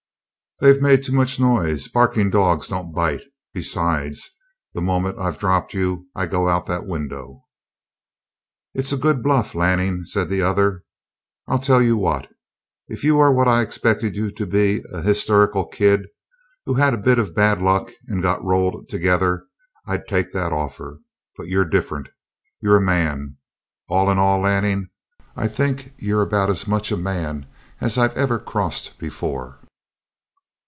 "They made too much noise. Barking dogs don't bite. Besides, the moment I've dropped you I go out that window." "It's a good bluff, Lanning," said the other. "I'll tell you what, if you were what I expected you to be, a hysterical kid, who had a bit of bad luck and good rolled together, I'd take that offer. But you're different you're a man. All in all, Lanning, I think you're about as much of a man as I've ever crossed before.